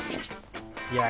いやあ